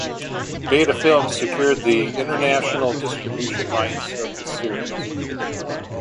Beta Film secured the international distribution rights of the series.